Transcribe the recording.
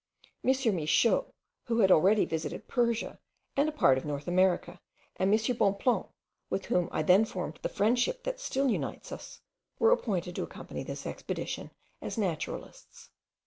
M. Michaux, who had already visited Persia and a part of North America, and M. Bonpland, with whom I then formed the friendship that still unites us, were appointed to accompany this expedition as naturalists.